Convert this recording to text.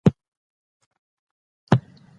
له حده زیات بوره د وینې شوګر ناڅاپي لوړوي.